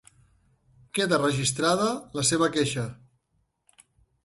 Queda registrada la seva queixa.